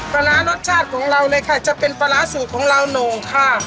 ปลาร้ารสชาติของเราเลยค่ะจะเป็นปลาร้าสูตรของเราโหน่งค่ะ